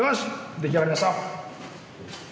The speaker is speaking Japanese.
出来上がりました。